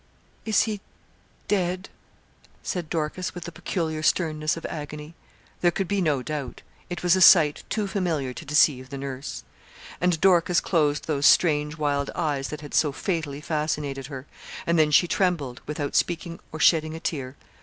'Is he dead?' said Dorcas, with the peculiar sternness of agony. There could be no doubt. It was a sight too familiar to deceive the nurse. And Dorcas closed those strange, wild eyes that had so fatally fascinated her, and then she trembled, without speaking or shedding a tear.